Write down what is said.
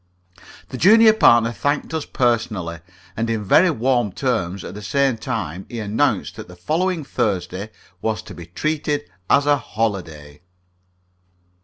The junior partner thanked us personally, and in very warm terms; at the same time he announced that the following Thursday was to be treated as a holiday.